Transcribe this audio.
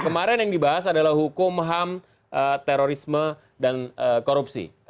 kemarin yang dibahas adalah hukum ham terorisme dan korupsi